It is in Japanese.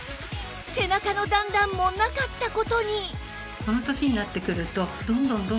背中の段々もなかった事に！